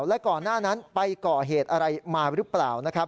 และก่อนหน้านั้นไปเกาะเหตุอะไรมาหรือเปล่า